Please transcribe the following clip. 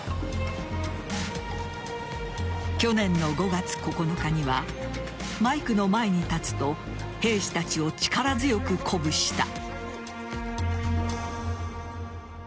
去年の５月９日にはマイクの前に立つと兵士たちを力強く鼓舞した。